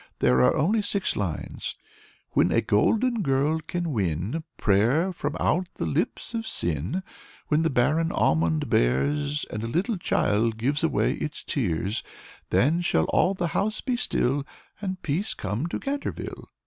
There are only six lines: "'When a golden girl can win Prayer from out the lips of sin, When the barren almond bears, And a little child gives away its tears, Then shall all the house be still And peace come to Canterville.'